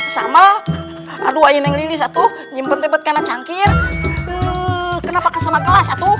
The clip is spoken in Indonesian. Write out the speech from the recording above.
sama aduh ayo neng lilis satu nyempet nyempet karena cangkir kenapa kesempatan kelas satu